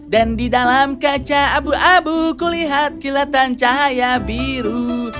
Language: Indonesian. dan di dalam kaca abu abu aku melihat kelihatan cahaya biru